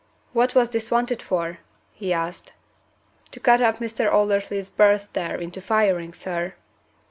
"What was this wanted for?" he asked. "To cut up Mr. Aldersley's berth there into firing, sir."